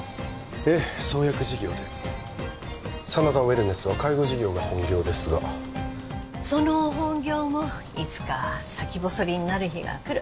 ええ創薬事業で真田ウェルネスは介護事業が本業ですがその本業もいつか先細りになる日が来る